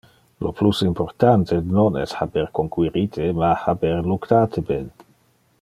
Lo plus importante non es haber conquirite, ma haber luctate ben.